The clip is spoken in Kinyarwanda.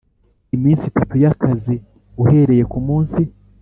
Iminsi itatu y akazi uhereye ku munsi